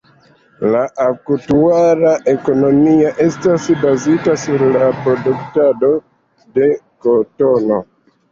La aktuala ekonomio estas bazita sur la produktado de kotono.